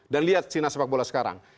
dan lihat china sepak bola sekarang